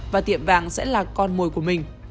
và tiệm vàng sẽ là con mồi của mình